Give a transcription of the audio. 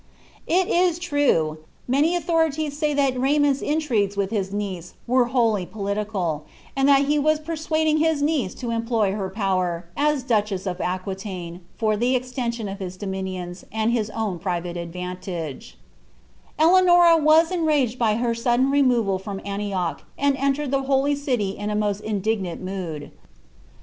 It is true, many autlioriliM say ihal Raymond's iiilrigues WJA _ niere were wholly poltlirat, and that he woa persuading his aiMU'S employ her power, as dueheii of Aquitaioe, U>r the eilaDeioo of hit doniinioni, and hii own private advantage. Eloanoni was enraged at her sudden remoi'al from Antioch, ami enteied the Holy City in a moat indignant mood.